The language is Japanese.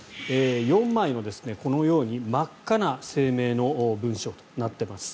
４枚のこのように真っ赤な声明の文書となっています。